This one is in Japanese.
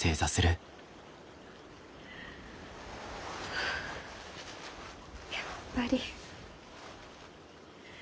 はあやっぱり。